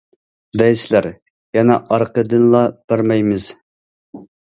» دەيسىلەر، يەنە ئارقىدىنلا« بەرمەيمىز!